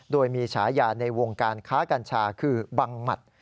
โดยมีฉายาในวงการค้ากัญชาคือบังหมัด